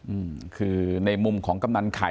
อืมคือในมุมของกำนันไข่